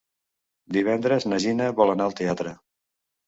Divendres na Gina vol anar al teatre.